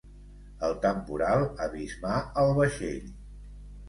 El temporal abismà el vaixell.